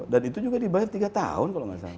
dan itu juga dibayar tiga tahun kalau tidak salah